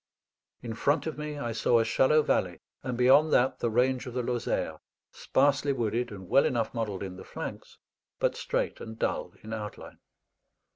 In front of me I saw a shallow valley, and beyond that the range of the Lozère, sparsely wooded and well enough modeled in the flanks, but straight and dull in outline.